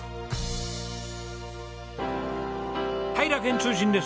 はい楽園通信です。